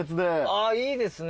あいいですね。